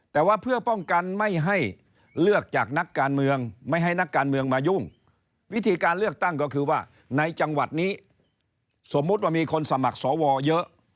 แต่ว่าเพื่อป้องกันไม่ให้เลือกจากนักการเมืองไม่ให้นักการเมืองมายุ่งวิธีการเลือกตั้งก็คือว่าในจังหวัดนี้สมมุติว่ามีคนสมัครสวเยอะ